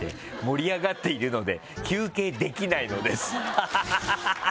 ハハハハ！